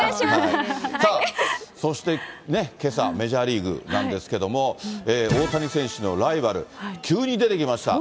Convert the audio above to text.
さあ、そしてけさ、メジャーリーグなんですけれども、大谷選手のライバル、急に出てきました。